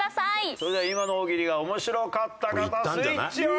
それでは今の大喜利が面白かった方スイッチオン！